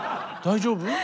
大丈夫？